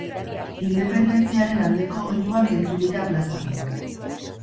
Independentziaren aldeko oihuak entzun dira plazan.